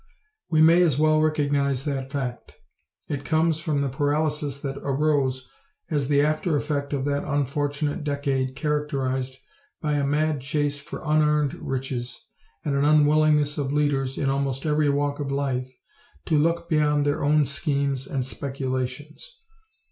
We may as well recognize that fact. It comes from the paralysis that arose as the after effect of that unfortunate decade characterized by a mad chase for unearned riches and an unwillingness of leaders in almost every walk of life to look beyond their own schemes and speculations.